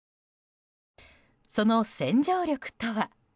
その洗浄力とは。